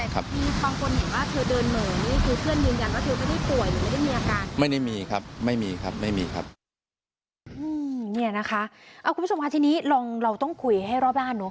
คุณผู้ชมภาษณ์ที่นี่เราต้องคุยให้รอบด้าน